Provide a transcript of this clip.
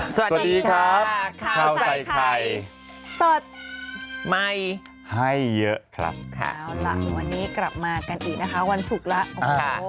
สวัสดีครับข้าวใส่ไข่สดใหม่ให้เยอะครับค่ะเอาล่ะวันนี้กลับมากันอีกนะคะวันศุกร์แล้วโอ้โห